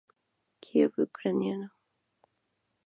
Kiev ucraniano.